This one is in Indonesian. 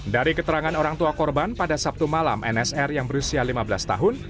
dari keterangan orang tua korban pada sabtu malam nsr yang berusia lima belas tahun